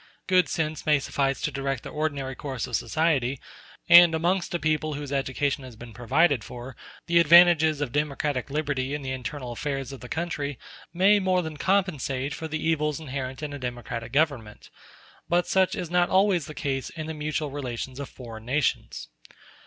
Good sense may suffice to direct the ordinary course of society; and amongst a people whose education has been provided for, the advantages of democratic liberty in the internal affairs of the country may more than compensate for the evils inherent in a democratic government. But such is not always the case in the mutual relations of foreign nations.